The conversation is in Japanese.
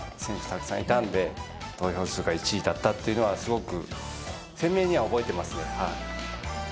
たくさんいたので投票数が１位だったっていうのはすごく鮮明には覚えていますね。